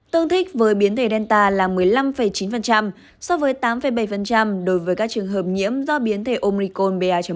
tương thích với biến thể delta là một mươi năm chín so với tám bảy đối với các trường hợp nhiễm do biến thể omicon ba